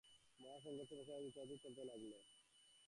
মহাসংঘর্ষ, মেশামেশি, জেতাজিতি চলতে লাগল।